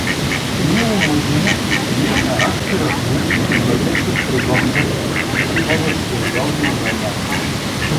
Ни умът му, ни характерът му не беше приготвен за такова сериозно занятие.